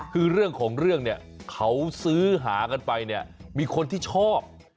คือเรื่องของเรื่องเนี่ยเขาซื้อหากันไปเนี่ยมีคนที่ชอบ